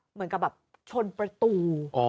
เหมือนกับแบบชนประตู